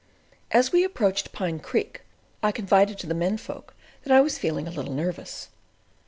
As we approached Pine Creek I confided to the men folk that I was feeling a little nervous.